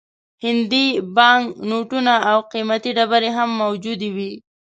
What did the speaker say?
هندي بانک نوټونه او قیمتي ډبرې هم موجودې وې.